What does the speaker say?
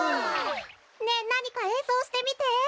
ねえなにかえんそうしてみて。